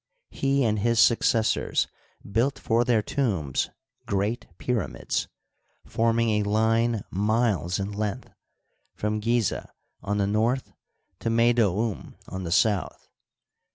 He and his successors built for their tombs great pyramids, form ing a line miles in length, from Gizeh on the north to Meydoum on the south.